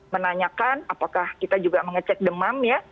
menanyakan apakah kita juga mengecek demam ya